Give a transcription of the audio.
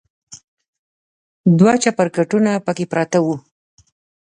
دوه چپرکټونه پکې پراته و.